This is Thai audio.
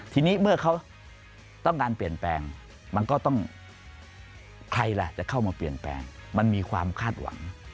ทีนี้เมื่อเขาต้องการเปลี่ยนแปลงมันก็ต้องใครล่ะจะเข้ามาเปลี่ยนแปลงมันมีความคาดหวัง